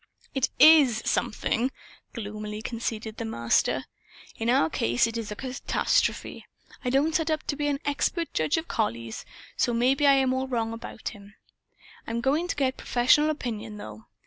"It IS 'something,'" gloomily conceded the Master. "In our case it is a catastrophe. I don't set up to be an expert judge of collies, so maybe I am all wrong about him. I'm going to get professional opinion, though.